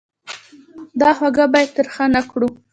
دا خوږه باید تریخه نه کړو.